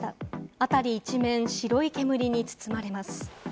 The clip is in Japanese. あたり一面、白い煙に包まれます。